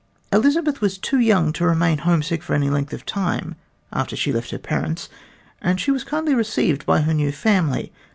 Elizabeth was too young to remain homesick for any length of time after she left her parents, and she was kindly received in her new family.